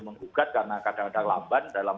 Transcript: menggugat karena kadang kadang lamban dalam